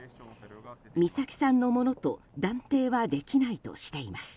美咲さんのものと断定はできないとしています。